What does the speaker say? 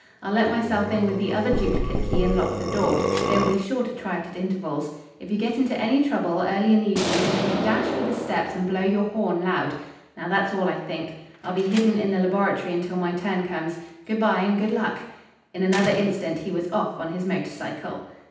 I'll let myself in with the other duplicate key and lock the door. They will be sure to try it at intervals. If you get into any trouble, early in the evening, make a dash for the steps and blow your horn loud. Now, that's all, I think. I'll be hidden in the laboratory until my turn comes. Good bye and good luck!" In another instant he was off on his motor cycle.